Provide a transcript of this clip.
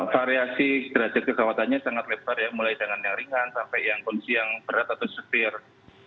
variasi derajat keserawatannya sangat lebar ya mulai dengan yang ringan sampai yang kondisi yang berat atau setir